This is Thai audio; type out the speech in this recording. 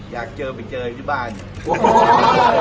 ยากเจอไปเจยังไงบ้าง